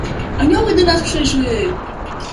"anioły do nas przyszły!"